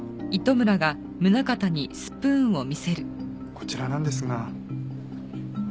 こちらなんですが。